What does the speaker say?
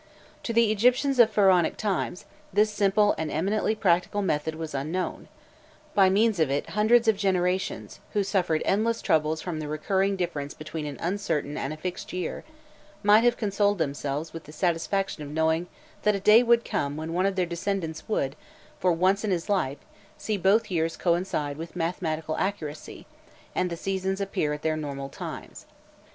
To the Egyptians of Pharaonic times, this simple and eminently practical method was unknown: by means of it hundreds of generations, who suffered endless troubles from the recurring difference between an uncertain and a fixed year, might have consoled themselves with the satisfaction of knowing that a day would come when one of their descendants would, for once in his life, see both years coincide with mathematical accuracy, and the seasons appear at their normal times.